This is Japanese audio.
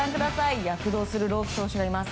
躍動する朗希選手がいます。